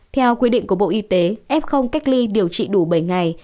theo quy định của bộ y tế ép không cách ly điều trị đủ bảy ngày